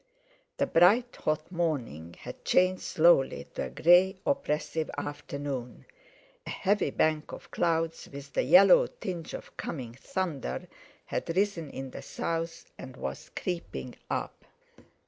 The bright hot morning had changed slowly to a grey, oppressive afternoon; a heavy bank of clouds, with the yellow tinge of coming thunder, had risen in the south, and was creeping up.